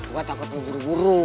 gue takut lu buru buru